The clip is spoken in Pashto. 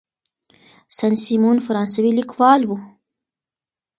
سن سیمون فرانسوي لیکوال و.